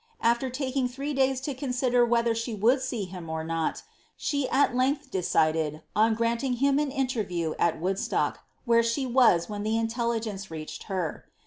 After taking three days to con sider whether she would »ee him or not, she at length decided on grant ing him an interview at Woodstock, where she was when the intelli geuce rfached her.